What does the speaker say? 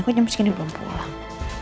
kok jam segini belum pulang